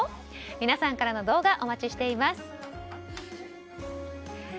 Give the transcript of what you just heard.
皆さんからの動画お待ちしています。